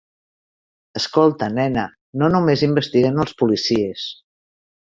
Escolta, nena, no només investiguen els policies.